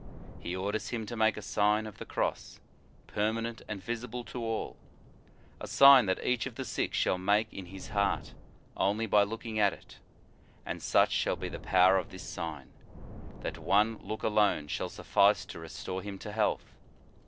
He orders him to make a Sign of the Cross, permanent and visible to all ; a sign that each of the sick shall make in his heart, only by looking at it, and such shall be the power of this sign, that one look alone shall suffice to restore him to health.